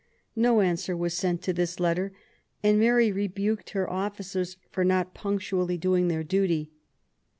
No answer was sent to this letter, and Mary re buked her officers for not punctually doing their duty.